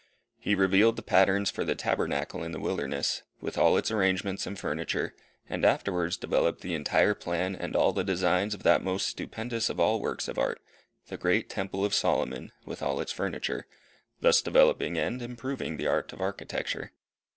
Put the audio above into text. He revealed the patterns for the Tabernacle in the wilderness, with all its arrangements and furniture; and afterwards developed the entire plan and all the designs of that most stupendous of all works of art the great Temple of Solomon, with all its furniture; thus developing and improving the art of architecture.